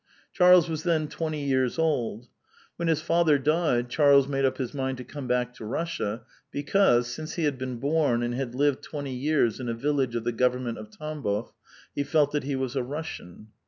Charles was then twenty years old. AVhen his father died, Charles made up his mind to come back to Russia, because, since he had been born and had lived twenty years in a village of the government of Tambof, he felt that he was a Russian.